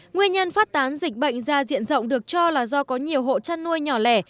nguyên nhân phát tán dịch bệnh ra diện rộng được cho là do có nhiều hộ chăn nuôi nhỏ lẻ